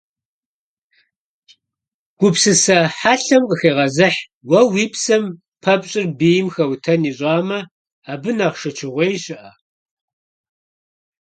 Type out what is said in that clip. Гупсысэ хьэлъэм къыхегъэзыхь: уэ уи псэм пэпщӀыр бийм хэутэн ищӀамэ, абы нэхъ шэчыгъуей щыӀэ?!